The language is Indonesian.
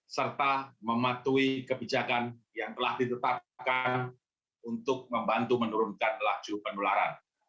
serta mematuhi kebijakan yang telah ditetapkan untuk membantu menurunkan laju penularan